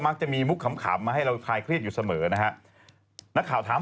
จะมีมุกขำมาให้เราคลายเครียดอยู่เสมอนะฮะนักข่าวถาม